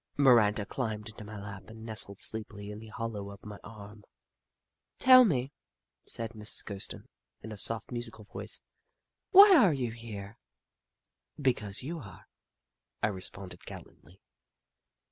Miranda climbed into my lap and nestled sleepily in the hollow of my arm. " Tell me," said Mrs. Kirsten, in a soft, musical voice, " why are you here ?"" Because you are," I responded, gallantly.